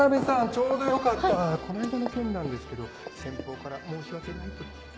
ちょうどよかったこの間の件なんですけど先方から申し訳ないと。